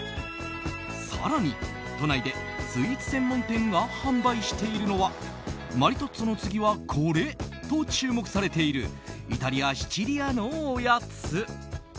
更に、都内でスイーツ専門店が販売しているのはマリトッツォの次はこれと注目されているイタリア・シチリアのおやつ。